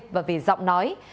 và về giọng đồng